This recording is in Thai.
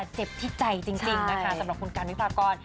เจ็บที่ใจจริงนะคะสำหรับคุณกันวิพากร